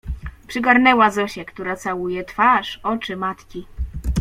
Przygarnęła Zosię, która całuje twarz, oczy matki.